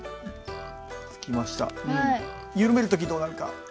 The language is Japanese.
緩める時どうなるか？